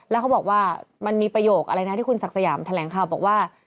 แล้วเขาบอกว่ามันมีประโยคอะไรนะที่คุณศักดิ์สยามแถลงข่าวบอกว่า